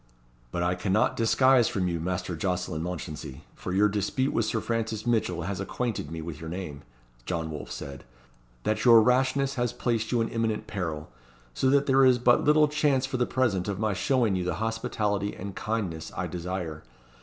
"But I cannot disguise from you, Master Jocelyn Mounchensey for your dispute with Sir Francis Mitchell has acquainted me with your name," John Wolfe said "that your rashness has placed you in imminent peril; so that there is but little chance for the present of my showing you the hospitality and kindness I desire.